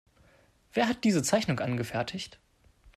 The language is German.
Wer hat diese Zeichnung angefertigt?